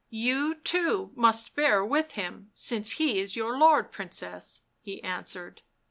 " You, too, must bear with him, since he is your lord, Princess," he answered.